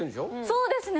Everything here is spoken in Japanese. そうですね。